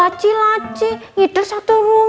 aku mau pergi dulu